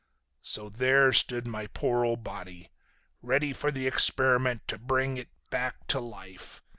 "So there stood my poor old body. Ready for the experiment to bring it back to life.